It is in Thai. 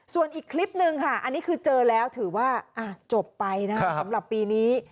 ส่วนอีกคลิปนึงค่ะอันนี้คือเจอแล้วถือว่าจบไปนะสำหรับปีนี้